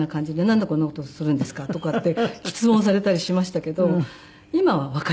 「なんでこんな事するんですか？」とかって詰問されたりしましたけど今はわかりません。